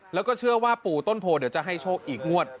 แล้วก็เชื่อว่าปู่ต้นโพเดี๋ยวจะให้โชคอีกงวด